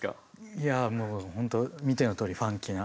いやもうほんと見てのとおりファンキーな。